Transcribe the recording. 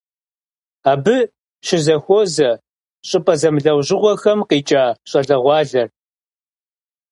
Абы щызэхуозэ щӏыпӏэ зэмылӏэужьыгъуэхэм къикӏа щӏалэгъуалэр.